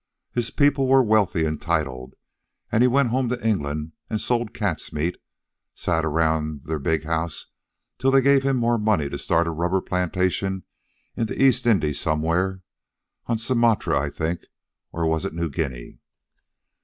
His people were wealthy and titled, and he went home to England and sold cat's meat, sat around their big house till they gave him more money to start a rubber plantation in the East Indies somewhere, on Sumatra, I think or was it New Guinea?"